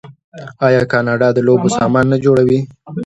آیا کاناډا د لوبو سامان نه جوړوي؟